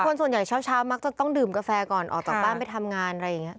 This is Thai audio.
คนส่วนใหญ่เช้ามักจะต้องดื่มกาแฟก่อนออกจากบ้านไปทำงานอะไรอย่างนี้